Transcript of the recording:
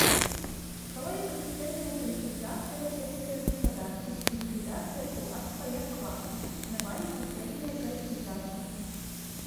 Праводзіцца суцэльная калектывізацыя сельскае гаспадаркі і ліквідацыя кулацтва як класа, на базе суцэльнае калектывізацыі.